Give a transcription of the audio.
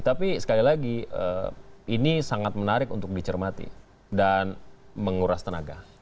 tapi sekali lagi ini sangat menarik untuk dicermati dan menguras tenaga